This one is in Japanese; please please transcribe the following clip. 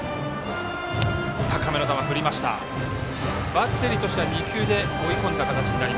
バッテリーとしては２球で追い込んだ。